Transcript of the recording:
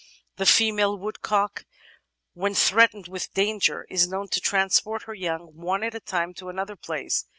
The female woodcock, when threatened with danger, is known to transport her young, one at a time, to another place.